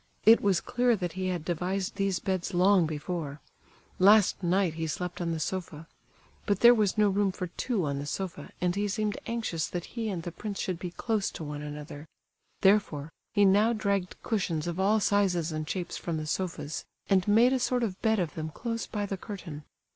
It was clear that he had devised these beds long before; last night he slept on the sofa. But there was no room for two on the sofa, and he seemed anxious that he and the prince should be close to one another; therefore, he now dragged cushions of all sizes and shapes from the sofas, and made a sort of bed of them close by the curtain.